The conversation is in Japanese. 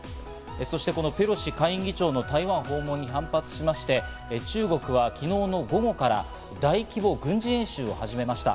そしてこのペロシ下院議長の台湾訪問に反発しまして、中国は昨日の午後から大規模軍事演習を始めました。